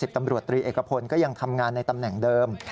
ตำรวจตรีเอกพลก็ยังทำงานในตำแหน่งเดิม